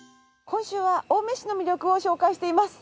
今週は青梅市の魅力を紹介しています。